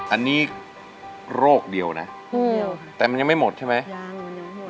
อันนี้โรคเดียวนะแต่มันยังไม่หมดใช่ไหมยังหมด